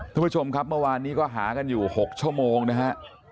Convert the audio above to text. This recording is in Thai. ทุกผู้ชมครับเมื่อวานนี้ก็หากันอยู่๖ชั่วโมงนะฮะ